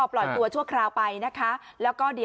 ปล่อยตัวชั่วคราวไปนะคะ